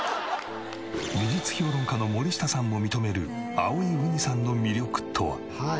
美術評論家の森下さんも認めるあおいうにさんの魅力とは？